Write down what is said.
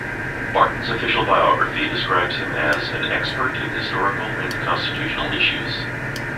Barton's official biography describes him as "an expert in historical and constitutional issues".